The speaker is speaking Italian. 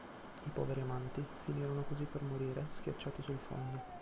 I poveri amanti finirono così per morire schiacciati sul fondo.